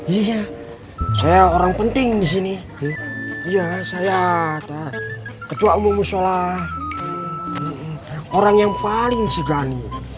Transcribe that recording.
iya saya orang penting di sini iya saya ketua umum musyola orang yang paling sigani